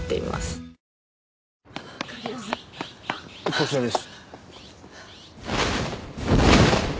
こちらです。